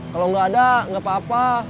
kalau nggak ada nggak apa apa